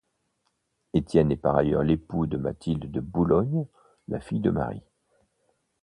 Étienne est par ailleurs l'époux de Mathilde de Boulogne, la fille de Marie.